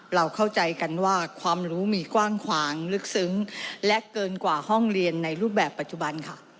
เราเข้าใจกันว่าความรู้มีกว้างขวางลึกซึ้งและเกินกว่าห้องเรียนในรูปแบบปัจจุบันค่ะ